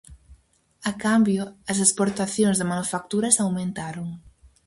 A cambio, as exportacións de manufacturas aumentaron.